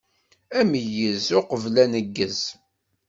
Ameyyez uqbel aneggez.